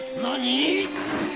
何！？